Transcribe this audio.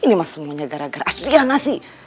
ini mah semuanya gara gara asli kira nasi